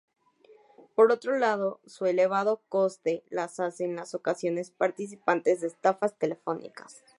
Por otro lado, su elevado coste las hace en ocasiones partícipes de estafas telefónicas.